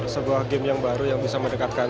sebuah game yang baru yang bisa mendekatkan